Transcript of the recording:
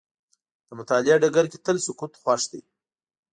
د مطالعې ډګر کې تل سکوت خوښ دی.